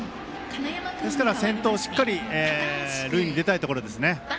ですから、先頭、しっかり塁に出たいところですね。